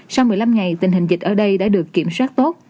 sau một mươi năm ngày tình hình dịch ở đây đã được kiểm soát tốt